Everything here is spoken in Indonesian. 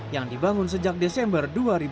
yang dibangun sejak desember dua ribu tujuh belas